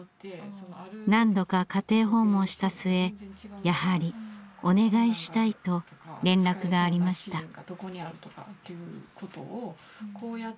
何度か家庭訪問した末やはりお願いしたいと連絡がありました。